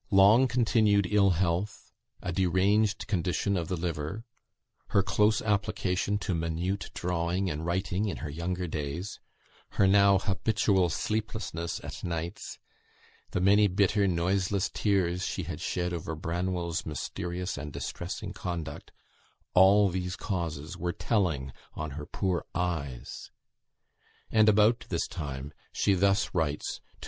Long continued ill health, a deranged condition of the liver, her close application to minute drawing and writing in her younger days, her now habitual sleeplessness at nights, the many bitter noiseless tears she had shed over Branwell's mysterious and distressing conduct all these causes were telling on her poor eyes; and about this time she thus writes to M.